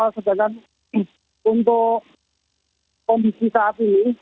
sedangkan untuk kondisi saat ini